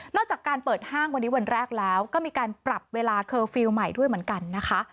จากการเปิดห้างวันนี้วันแรกแล้วก็มีการปรับเวลาเคอร์ฟิลล์ใหม่ด้วยเหมือนกันนะคะ